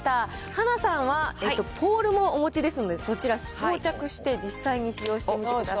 はなさんは、ポールもお持ちですので、そちら、装着して実際に使用してみてください。